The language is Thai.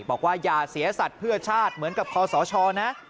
บอกว่าอย่าเสียสัตว์เพื่อชาติเหมือนกับคอสชนะ